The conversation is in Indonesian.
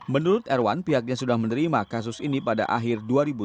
menurut erwan pihaknya sudah menerima kasus ini pada akhir dua ribu tujuh belas